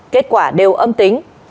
kết quả đều âm tính